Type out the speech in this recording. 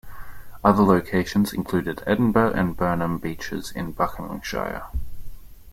Other locations included Edinburgh and Burnham Beeches in Buckinghamshire.